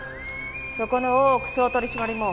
そこの大奥総取締も。